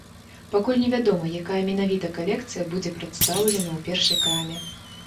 Пакуль невядома, якая менавіта калекцыя будзе прадстаўлена ў першай краме.